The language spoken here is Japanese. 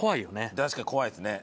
確かに怖いですね。